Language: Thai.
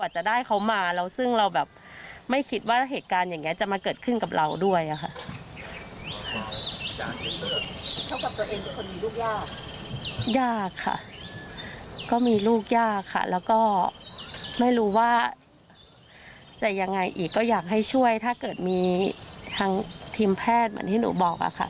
ช่วยถ้าเกิดมีทีมแพทย์เหมือนที่หนูบอก